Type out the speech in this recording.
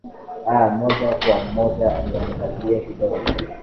aa moja kwa moja niangazie kidogo